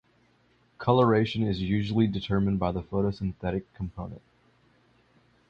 Coloration is usually determined by the photosynthetic component.